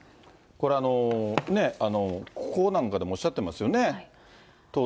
これ、ここなんかでもおっしゃってますよね。